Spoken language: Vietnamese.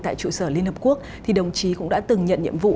tại trụ sở liên hợp quốc thì đồng chí cũng đã từng nhận nhiệm vụ